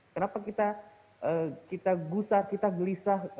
kenapa kita gusar kita gelisah